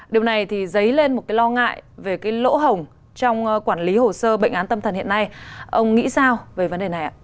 điều này giấy lên một lo ngại về lỗ hổng trong quản lý hồ sơ bệnh án tâm thần hiện nay ông nghĩ sao về vấn đề này